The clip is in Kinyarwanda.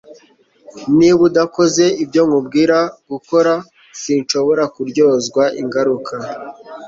Niba udakoze ibyo nkubwira gukora sinshobora kuryozwa ingaruka